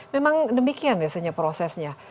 memang demikian biasanya prosesnya